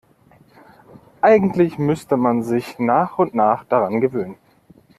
Eigentlich müsste man sich nach und nach daran gewöhnen.